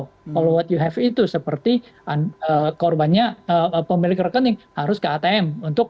kalau apa yang anda punya itu seperti korbannya pemilik rekening harus ke atn